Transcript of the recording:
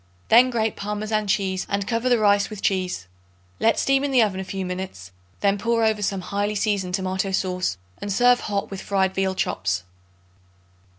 Then grate Parmesan cheese and cover the rice with cheese. Let steam in the oven a few minutes; then pour over some highly seasoned tomato sauce, and serve hot with fried veal chops.